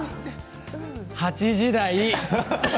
８時台！